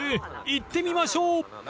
行ってみましょう］